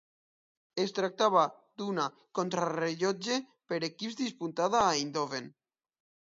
Es tractava d'una contrarellotge per equips disputada a Eindhoven.